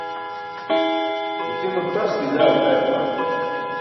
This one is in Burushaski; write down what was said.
Gucimo tas bizaar daayabaa!